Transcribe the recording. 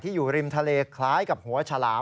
อยู่ริมทะเลคล้ายกับหัวฉลาม